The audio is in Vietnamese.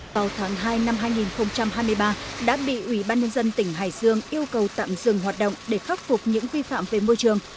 vào tháng hai năm hai nghìn hai mươi ba đã bị ubnd tỉnh hải dương yêu cầu tạm dừng hoạt động để khắc phục những vi phạm về môi trường